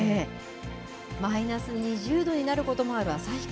マイナス２０度になることもある旭川。